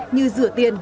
như rửa tiền